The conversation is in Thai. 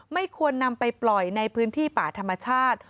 ไม่ควรนำไปปล่อยในพื้นที่ป่าธรรมชาติ